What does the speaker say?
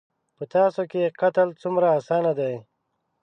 _په تاسو کې قتل څومره اسانه دی.